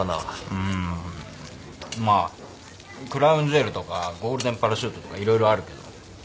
うーんまあクラウンジュエルとかゴールデンパラシュートとか色々あるけど。